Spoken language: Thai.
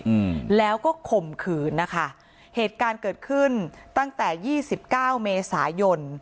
อืมแล้วก็ข่มขืนนะคะเหตุการณ์เกิดขึ้นตั้งแต่ยี่สิบเก้าเมษายน